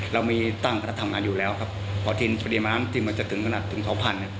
เรามีตั้งพนักทำงานอยู่แล้วครับพอทินประเด็นมาน้ำที่มันจะถึงขนาดถึงสองพัน